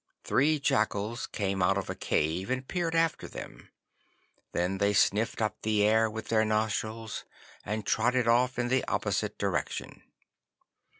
Three jackals came out of a cave and peered after them. Then they sniffed up the air with their nostrils, and trotted off in the opposite direction.